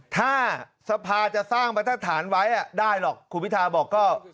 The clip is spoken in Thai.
ถ้าสภาจะสร้างบรรทฐานไว้ได้หรอกคุณพิทาบอกก็